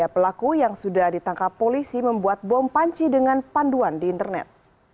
pelaku yang sudah ditangkap polisi membuat bom panci dengan panduan di internet